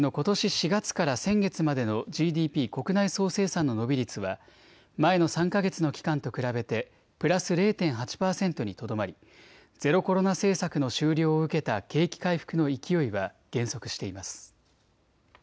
４月から先月までのＧＤＰ・国内総生産の伸び率は前の３か月の期間と比べてプラス０．８％にとどまりゼロコロナ政策の終了を受けた景気回復の勢いは減速しています。